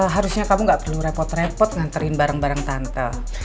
harusnya kamu gak perlu repot repot nganterin bareng bareng tante